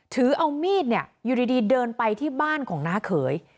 ถือเอามีดเนี่ยอยู่ดีเดินไปที่บ้านของน้าเขย